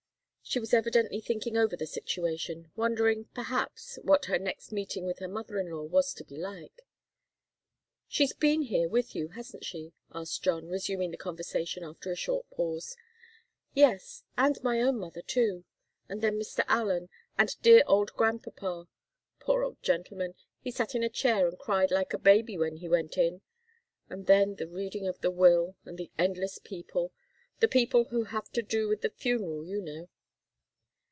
She was evidently thinking over the situation, wondering, perhaps, what her next meeting with her mother in law was to be like. "She's been here with you, hasn't she?" asked John, resuming the conversation after a short pause. "Yes, and my own mother, too and then Mr. Allen, and dear old grandpapa. Poor old gentleman! He sat in a chair and cried like a baby when he went in. And then the reading of the will and the endless people the people who have to do with the funeral, you know.